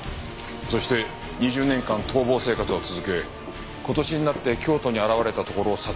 そして２０年間逃亡生活を続け今年になって京都に現れたところを殺害された。